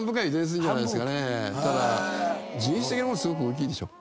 ただ人種的なものすごく大きいでしょ。